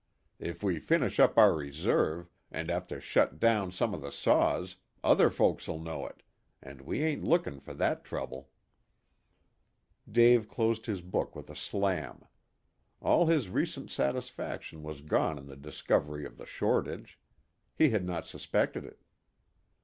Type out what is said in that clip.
If we finish up our reserve, and have to shut down some o' the saws, other folks'll know it, and we ain't lookin' for that trouble." Dave closed his book with a slam. All his recent satisfaction was gone in the discovery of the shortage. He had not suspected it.